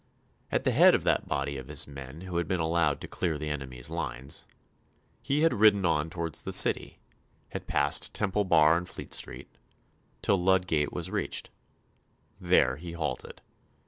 At the head of that body of his men who had been allowed to clear the enemy's lines, he had ridden on towards the City, had passed Temple Bar and Fleet Street, till Ludgate was reached. There he halted.